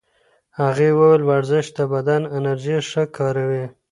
هغې وویل ورزش د بدن انرژي ښه کاروي.